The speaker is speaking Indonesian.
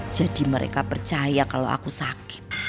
jadi mereka percaya kalau aku sakit